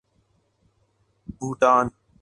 Bhutan